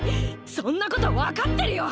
そんなことわかってるよ！